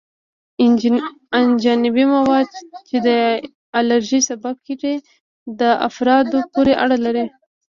اجنبي مواد چې د الرژي سبب کیږي په افرادو پورې اړه لري.